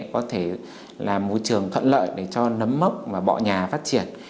có thể là môi trường thuận lợi để cho nấm mốc và bọ nhà phát triển